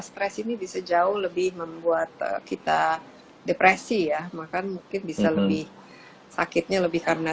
stres ini bisa jauh lebih membuat kita depresi ya makan mungkin bisa lebih sakitnya lebih karena